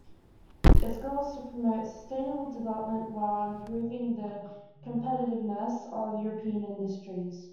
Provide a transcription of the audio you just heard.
Its goal is to promote sustainable development while improving the competitiveness of European industries.